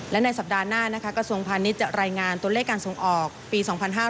และในสัปดาห์หน้านะคะกระทรวงพาณิชย์จะรายงานตัวเลขการส่งออกปี๒๕๕๙